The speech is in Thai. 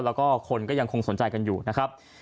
แล้วก็คนก็ยังคงสนใจกันอยู่นะครับ